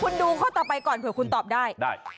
คุณดูข้อต่อไปก่อนเผื่อคุณตอบได้ได้